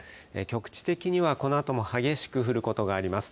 局地的にはこのあとも激しく降ることがあります。